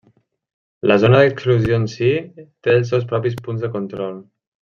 La zona d'exclusió en si té els seus propis punts de control.